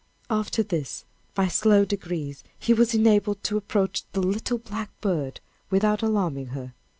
After this, by slow degrees, he was enabled to approach "the little blackbird" without alarming her.